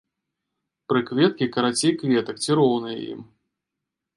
Прыкветкі карацей кветак ці роўныя ім.